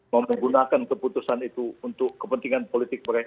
mau menggunakan keputusan itu untuk kepentingan politik mereka